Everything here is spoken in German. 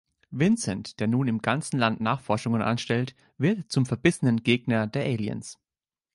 Vincent, der nun im ganzen Land Nachforschungen anstellt, wird zum verbissenen Gegner der Aliens.